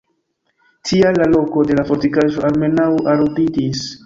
Tial la loko de la fortikaĵo almenaŭ aluditis.